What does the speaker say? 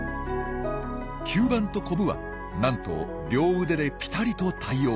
吸盤とコブはなんと両腕でぴたりと対応。